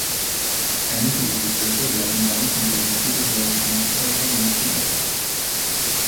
Einige Epitope werden dann von ihrem zugehörigen Antikörper nicht mehr erkannt.